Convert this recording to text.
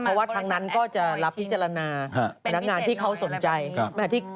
เพราะว่าทางนั้นก็จะรับพิจารณาพนักงานที่เขาสนใจ